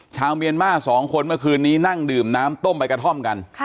ชาวเมียนมา๒คนเมื่อคืนนี้นั่งดื่มน้ำต้มใบกระท่อมกัน